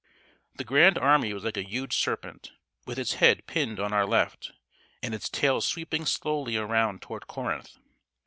The grand army was like a huge serpent, with its head pinned on our left, and its tail sweeping slowly around toward Corinth.